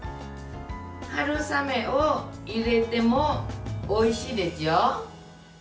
春雨を入れても、おいしいですよ。